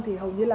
thì hầu như là